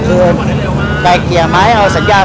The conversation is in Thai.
ฟื้นใส่กลี่เรียงเราก็ให้มา